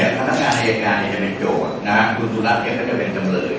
พนักงานนาภาคมนายการมีใจพี่เค้าจะเป็นจำเร้อย